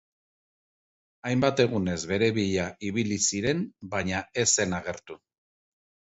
Hainbat egunez bere bila ibili ziren baina ez zen agertu.